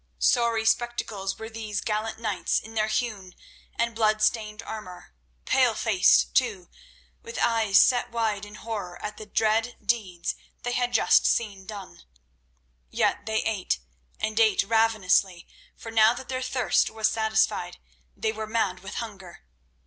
Sorry spectacles were these gallant knights in their hewn and blood stained armour, pale faced, too, with eyes set wide in horror at the dread deeds they had just seen done. Yet they ate, and ate ravenously, for now that their thirst was satisfied, they were mad with hunger.